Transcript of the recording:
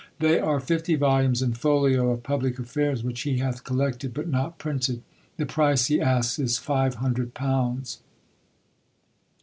They are fifty volumes in folio, of public affairs, which he hath collected, but not printed. The price he asks is five hundred pounds."